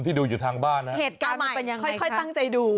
ที่ดูอยู่ทางบ้านนะครับเหตุการณ์มันเป็นอย่างไรครับใหม่ค่อยตั้งใจดู